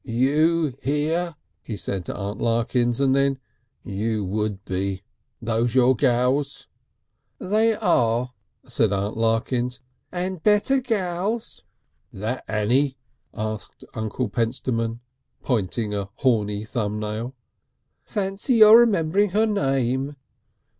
"You here," he said to Aunt Larkins and then; "You would be.... These your gals?" "They are," said Aunt Larkins, "and better gals " "That Annie?" asked Uncle Pentstemon, pointing a horny thumb nail. "Fancy your remembering her name!"